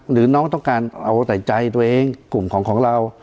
หรือน้องต้องการเอาแต่ใจตัวเองกลุ่มของเรา